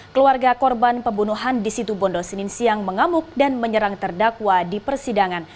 keluarga korban pembunuhan di situ bondo senin siang mengamuk dan menyerang terdakwa di persidangan